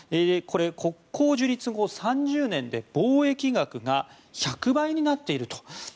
これは国交樹立後３０年で貿易額が１００倍になっていると。